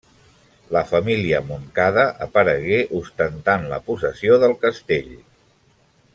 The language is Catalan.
La família Montcada aparegué ostentant la possessió del castell.